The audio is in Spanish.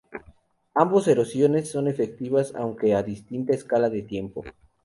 Ambos erosiones son efectivas aunque a distinta escala de tiempo.